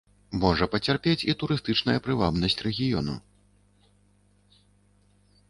Можа пацярпець і турыстычная прывабнасць рэгіёну.